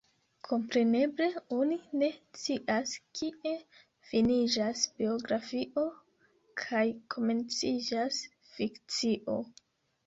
Kompreneble oni ne scias, kie finiĝas biografio kaj komenciĝas fikcio.